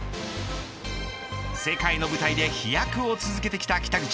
世界の舞台で飛躍を続けてきた北口。